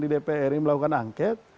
di dpr ini melakukan angket